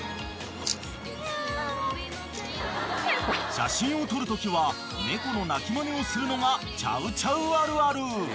［写真を撮るときは猫の鳴きまねをするのがチャウチャウあるある］